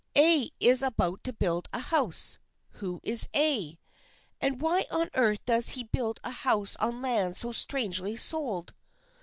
" A is about to build a house." Who is A? And why on earth does he build a house on land so strangely sold